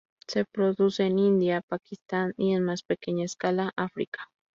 Se produce en India, Pakistán y, en más pequeña escala, África.